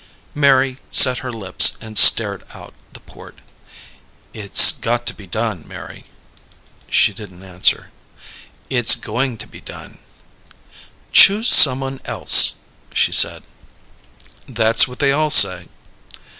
Mary set her lips and stared out the port. "It's got to be done, Mary." She didn't answer. "It's going to be done." "Choose someone else," she said. "That's what they all say."